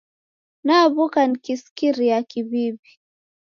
Naw'uka nikisikira kiw'iw'i